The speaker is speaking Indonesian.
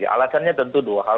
alasannya tentu dua hal